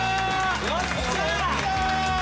よっしゃ！